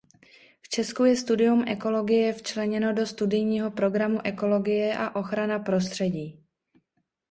V Česku je studium ekologie včleněno do studijního programu Ekologie a ochrana prostředí.